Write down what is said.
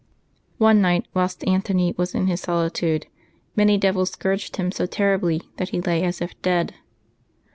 One night, whilst Antony was in his solitude, many devils scourged him so terribly that he lay as if dead.